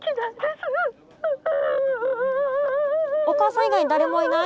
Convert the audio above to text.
おかあさん以外に誰もいない？